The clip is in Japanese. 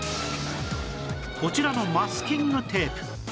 こちらのマスキングテープ